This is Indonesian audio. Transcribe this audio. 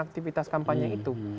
aktivitas kampanye itu